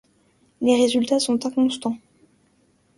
Les résultats sont inconstants.